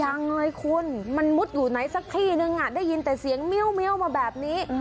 ยังเลยคุณมันมุดอยู่ไหนสักที่นึงได้ยินแต่เสียงเมียวมาแบบนี้